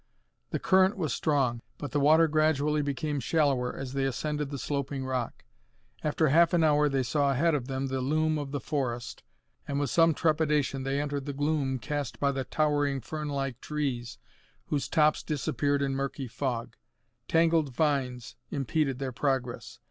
The current was strong, but the water gradually became shallower as they ascended the sloping rock. After half an hour they saw ahead of them the loom of the forest, and with some trepidation they entered the gloom cast by the towering, fernlike trees, whose tops disappeared in murky fog. Tangled vines impeded their progress.